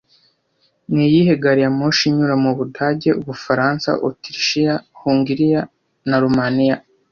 Niyihe gari ya moshi inyura mu Budage, Ubufaransa, Otirishiya, Hongiriya na Romania